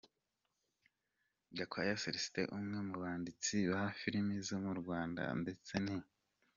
Gakwaya Celestin umwe mu banditsi ba filimi zo mu Rwanda ndetse ni.